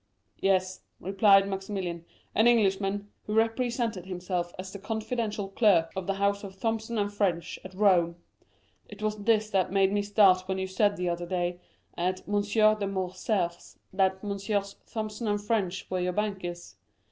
"Yes," replied Maximilian, "an Englishman, who represented himself as the confidential clerk of the house of Thomson & French, at Rome. It was this that made me start when you said the other day, at M. de Morcerf's, that Messrs. Thomson & French were your bankers.